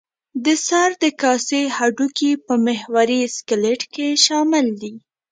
د سر د کاسې هډوکي په محوري سکلېټ کې شامل دي.